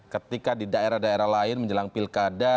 ketika di daerah daerah lain menjelang pilkada